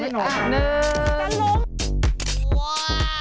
หนึ่งจันร้ม